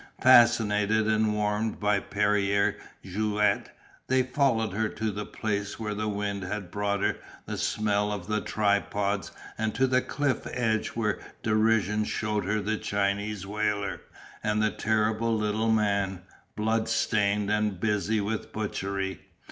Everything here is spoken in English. Fascinated and warmed by Perrier Jouet, they followed her to the place where the wind had brought her the smell of the try pots and to the cliff edge where Derision shew her the Chinese whaler and the terrible little man, blood stained, and busy with butchery.